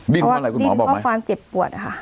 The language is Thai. ดิ้นเพราะอะไรคุณหมอบอกไหมดิ้นเพราะความเจ็บปวดค่ะ